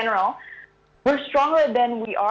kita lebih kuat daripada kita